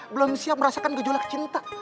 belum siap merasakan gejolak cinta